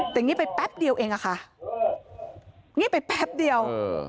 แต่งนี้ไปแป๊บเดียวเองค่ะเงียบไปแป๊บเดียว